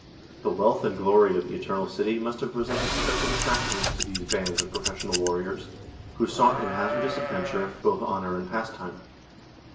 The wealth and glory of the Eternal City must have presented special attractions to these bands of professional warriors, who sought in hazardous adventure both honor and pastime.